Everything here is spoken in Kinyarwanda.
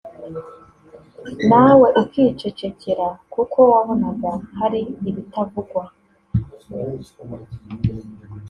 nawe ukicecekera kuko wabonaga hari ibitavugwa